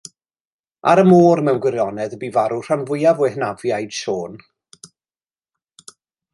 Ar y môr mewn gwirionedd y bu farw y rhan fwyaf o hynafiaid Siôn.